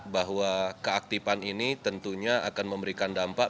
bahwa keaktifan ini tentunya akan memberikan dampak